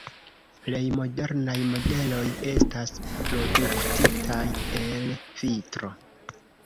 Plej modernaj modeloj estas produktitaj el vitro.